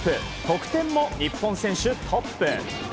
得点も日本選手トップ。